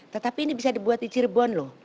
tetapi ini bisa dibuat di cirebon loh